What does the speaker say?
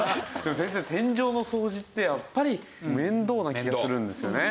先生天井の掃除ってやっぱり面倒な気がするんですよね。